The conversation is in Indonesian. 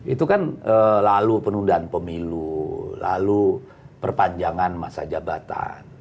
itu kan lalu penundaan pemilu lalu perpanjangan masa jabatan